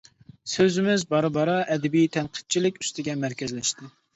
سۆزىمىز بارا-بارا ئەدەبىي تەنقىدچىلىك ئۈستىگە مەركەزلەشتى.